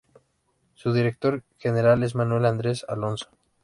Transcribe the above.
Su Director General es Manuel Andres Alonso.